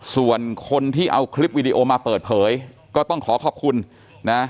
ส่วนคนที่เอาคลิปวิดีโอมาเปิดเผยก็ต้องขอขอบคุณนะ